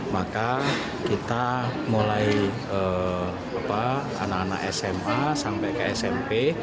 maka kita mulai anak anak sma sampai ke smp